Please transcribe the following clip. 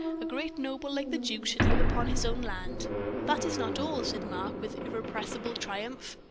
"A great noble like the duke should live upon his own land." "That is not all," said Mark, with irrepressible triumph.